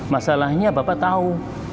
masalahnya bapak tahu